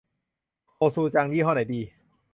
โคชูจัง ยี่ห้อไหนดี